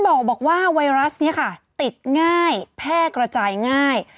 บอกว่าไวรัสนี้ค่ะติดง่ายแพร่กระจายง่าย